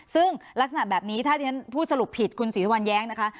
ซึ่งลักษณะแบบนี้ถ้าที่ฉันพูดสรุปผิดคุณศรีสุวรรณแย้งนะคะ